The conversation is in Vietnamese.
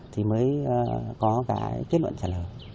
thì mới có cái kết luận trả lời